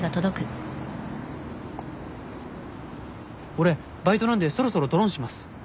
「俺バイトなんでそろそろドロンします！」